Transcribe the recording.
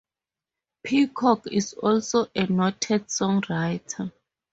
Peacock is also a noted songwriter.